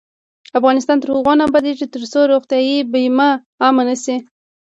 افغانستان تر هغو نه ابادیږي، ترڅو روغتیايي بیمه عامه نشي.